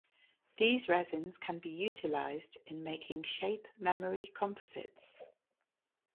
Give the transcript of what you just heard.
These resins can be utilized in making shape memory composites.